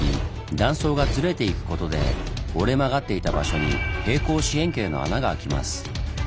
断層がずれていくことで折れ曲がっていた場所に平行四辺形の穴が開きます。